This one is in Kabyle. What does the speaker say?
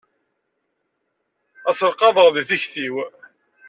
Ad selqaḍeɣ di tikti-w.